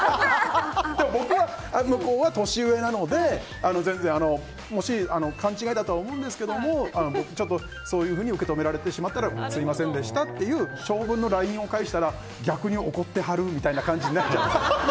僕は向こうは年上なので勘違いだとは思うんですけどそういうふうに受け止めてられたらすみませんでしたっていう長文のＬＩＮＥを返したら逆に怒ってはるみたいな感じになっちゃって。